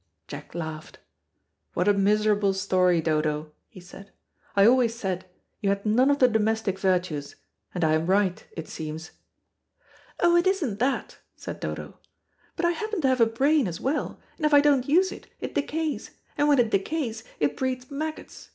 Jack laughed. "What a miserable story, Dodo," he said. "I always said you had none of the domestic virtues, and I am right, it seems." "Oh, it isn't that," said Dodo, "but I happen to have a brain as well, and if I don't use it, it decays, and when it decays, it breeds maggots.